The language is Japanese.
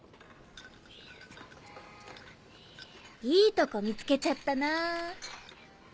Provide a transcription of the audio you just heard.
いいとこ見つけちゃったな。